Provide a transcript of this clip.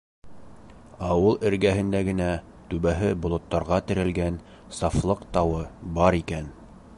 Ауыл эргәһендә генә түбәһе болоттарға терәлгән Сафлыҡ тауы бар икән.